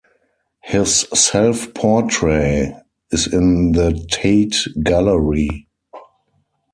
His self-portrait is in the Tate Gallery.